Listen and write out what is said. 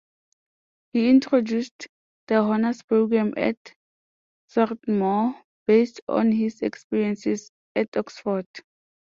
He introduced the Honors program at Swarthmore, based on his experiences at Oxford.